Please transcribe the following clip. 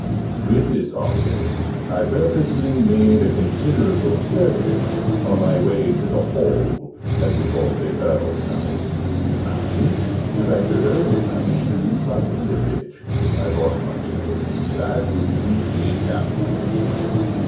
With this object I purposely made a considerable circuit on my way to the Hall (as we called the Earl's house): "and if I could only manage to lose my way a bit," I thought to myself, "that would suit me capitally!"